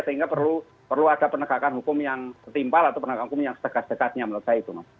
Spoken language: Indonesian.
sehingga perlu ada penegakan hukum yang setimpal atau penegakan hukum yang setegas dekatnya menurut saya itu